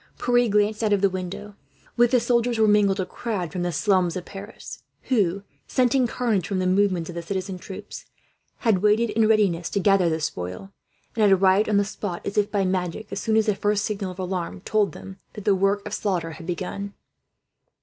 Pierre glanced out of the window. With the soldiers were mingled a crowd from the slums of Paris; who, scenting carnage from the movements of the citizen troops, had waited in readiness to gather the spoil; and had arrived on the spot, as if by magic, as soon as the first signal of alarm told them that the work of slaughter had begun.